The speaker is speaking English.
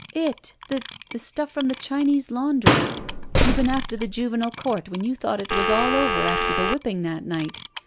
"It. The — ^the stuff from the Chinese laundry. Even after the Juvenile Court, when you thought it was all over after the whipping that night.